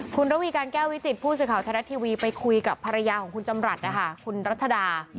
คุณระวีการแก้ววิจิตผู้สื่อข่าวไทยรัฐทีวีไปคุยกับภรรยาของคุณจำรัฐนะคะคุณรัชดา